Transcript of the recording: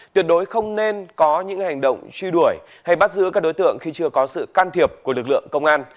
tuyệt đối không nên có những hành động truy đuổi hay bắt giữ các đối tượng khi chưa có sự can thiệp của lực lượng công an